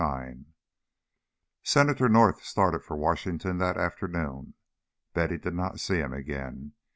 IX Senator North started for Washington that afternoon. Betty did not see him again.